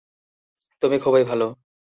তুমি খুবই ভালো।